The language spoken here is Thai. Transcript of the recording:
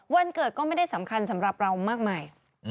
วันเกิดก็ไม่ได้สำคัญสำหรับเรามากมาย